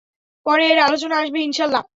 পরে এর আলোচনা আসবে ইনশাআল্লাহ।